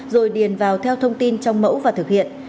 rồi điền vào theo thông tin trong mẫu và thực hiện